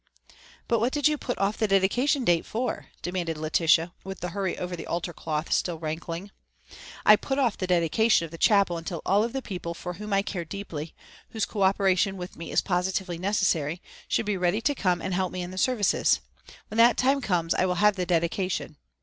"But what did you put off the dedication date for?" demanded Letitia, with the hurry over the altar cloth still rankling. "I put off the dedication of the chapel until all of the people for whom I cared deeply, whose cooperation with me is positively necessary, should be ready to come and help me in the services. When that time comes I will have the dedication.